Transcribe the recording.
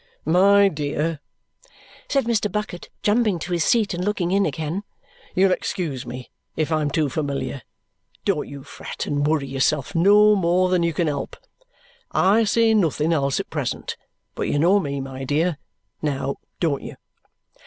"My dear," said Mr. Bucket, jumping to his seat and looking in again, " you'll excuse me if I'm too familiar don't you fret and worry yourself no more than you can help. I say nothing else at present; but you know me, my dear; now, don't you?"